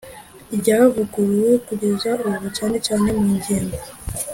Ryavuguruye kugeza ubu cyane cyane mu ngingo